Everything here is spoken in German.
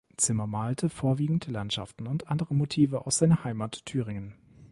Zimmer malte vorwiegend Landschaften und andere Motive aus seiner Heimat Thüringen.